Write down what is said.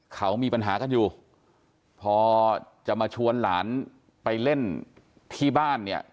เขามีปัญหากันอยู่พอจะมาชวนหลานไปเล่นที่บ้านเนี่ย